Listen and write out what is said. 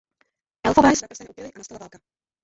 Elfové své prsteny ukryli a nastala válka.